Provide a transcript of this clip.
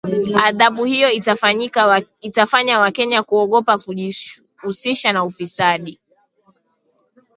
Adhabu hiyo itafanya wakenya kuogopa kujihusisha na ufisadi